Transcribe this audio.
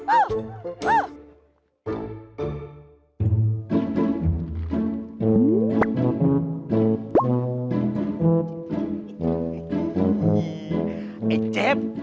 ไอ้เจ็บ